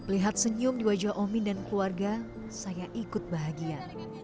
lihat senyum di wajah omin dan keluarga saya ikut bahagia